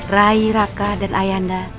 rai raka dan ayah anda